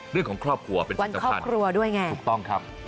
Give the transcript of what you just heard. เรื่องของครอบครัวเป็นวันครอบครัวด้วยไงถูกต้องครับ